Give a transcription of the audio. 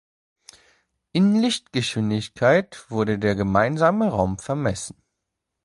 In Lichtgeschwindigkeit wurde der gemeinsame Raum vermessen.